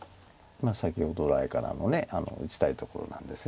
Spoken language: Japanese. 先ほど来からの打ちたいところなんですよねこれ。